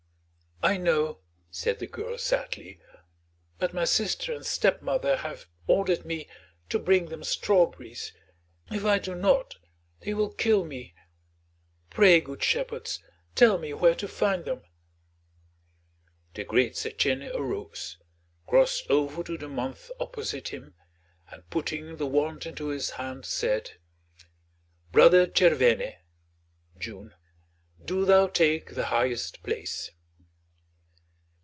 "I know," said the girl sadly, "but my sister and stepmother have ordered me to bring them strawberries; if I do not they will kill me. Pray, good shepherds, tell me where to find them." The great Setchène arose, crossed over to the month opposite him, and putting the wand into his hand, said: "Brother Tchervène (June), do thou take the highest place."